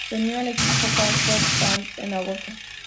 Se unió al equipo Collstrop-Palmans en agosto.